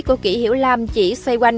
của kỷ hiểu lam chỉ xoay quanh